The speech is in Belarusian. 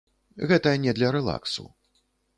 Гэта не для рэлаксу.